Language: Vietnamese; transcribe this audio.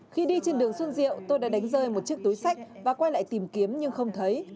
khi đi trên đường xuân diệu tôi đã đánh rơi một chiếc túi sách và quay lại tìm kiếm nhưng không thấy